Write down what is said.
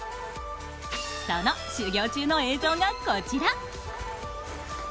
その修行中の映像がこちら。